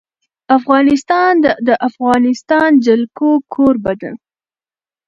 افغانستان د د افغانستان جلکو کوربه دی.